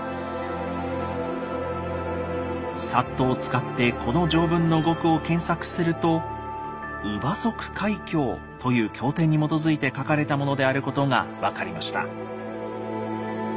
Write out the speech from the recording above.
ＳＡＴを使ってこの条文の語句を検索すると「優婆塞戒経」という経典に基づいて書かれたものであることが分かりました。